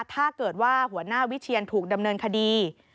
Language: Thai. ถ้าเกิดว่าหัวหน้าวิเชียนถูกดำเนินคดี